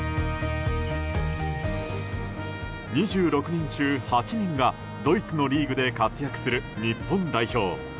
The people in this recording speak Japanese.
２６人中８人がドイツのリーグで活躍する日本代表。